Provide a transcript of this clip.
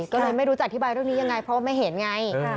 ก็เลยไม่รู้จะอธิบายเรื่องนี้ยังไงเพราะว่าไม่เห็นไง